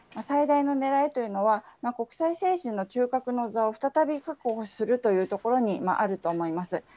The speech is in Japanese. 最大のねらいというのは、国際政治の中核の座を再び確保するというところにあると思っております。